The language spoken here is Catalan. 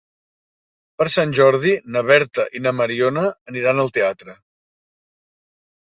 Per Sant Jordi na Berta i na Mariona aniran al teatre.